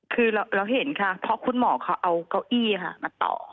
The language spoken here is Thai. คือเราเห็นค่ะเพราะคุณหมอเขาเอาเก้าอี้ค่ะมาต่อ